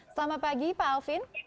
selamat pagi pak alvin